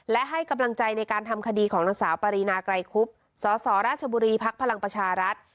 และให้กำลังใจในการทำคดีของนางสาวปารีนาไกรคุบสสราชบุรีภักดิ์พลังประชารัฐ